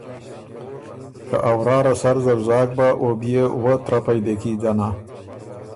که ا ورا ره سر زر زاک بۀ، او بيې وۀ ترپئ دېکي ځنا